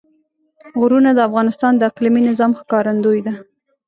غرونه د افغانستان د اقلیمي نظام ښکارندوی ده.